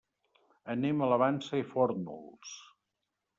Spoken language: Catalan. Anem a la Vansa i Fórnols.